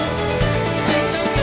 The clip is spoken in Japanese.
大丈夫や。